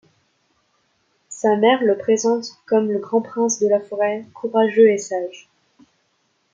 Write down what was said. Sa mère le présente comme le Grand Prince de la forêt, courageux et sage.